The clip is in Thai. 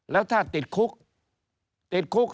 แล้วถ้าติดคุก